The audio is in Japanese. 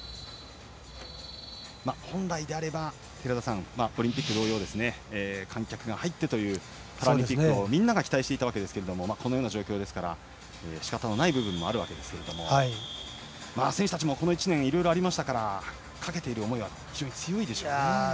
本来であれば、オリンピック同様観客が入ってというパラリンピックをみんなが期待していたんですがこのような状況ですからしかたのない部分もあるわけですけれども選手たちもこの１年いろいろありましたからかけている思いは強いでしょうね。